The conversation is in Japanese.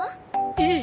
ええ。